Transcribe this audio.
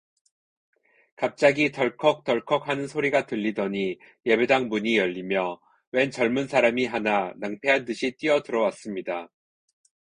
갑자기 덜컥덜컥하는 소리가 들리더니 예배당 문이 열리며, 웬 젊은 사람이 하나 낭패한 듯이 뛰어들어왔습니다.